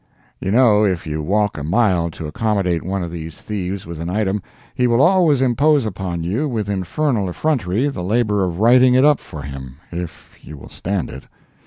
"—(you know if you walk a mile to accommodate one of these thieves with an item, he will always impose upon you, with infernal effrontery, the labor of writing it up for him, if you will stand it).